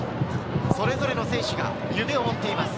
それぞれの選手が夢を持っています。